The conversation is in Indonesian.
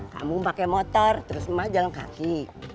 kamu pakai motor terus mama jalan kaki